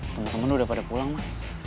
temen temen udah pada pulang ma